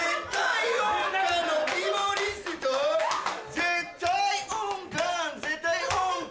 絶対音感絶対音感